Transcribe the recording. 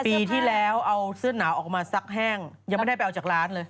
ปีที่แล้วเอาเสื้อหนาวออกมาซักแห้งยังไม่ได้ไปเอาจากร้านเลย